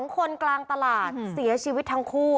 ๒คนกลางตลาดเสียชีวิตทั้งคู่